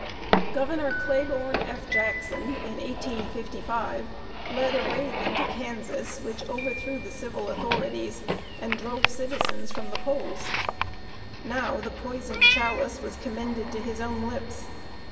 Governor Claiborne F. Jackson, in 1855, led a raid into Kansas, which overthrew the civil authorities, and drove citizens from the polls. Now, the poisoned chalice was commended to his own lips.